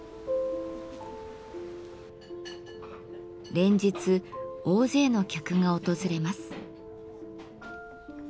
連日大勢の客が訪れます。